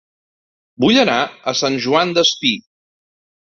Vull anar a Sant Joan Despí